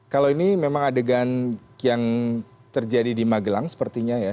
kalau ini memang adegan yang terjadi di magelang sepertinya ya